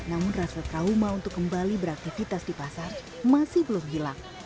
namun rasa trauma untuk kembali beraktivitas di pasar masih belum hilang